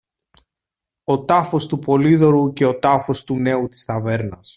ο τάφος του Πολύδωρου και ο τάφος του νέου της ταβέρνας.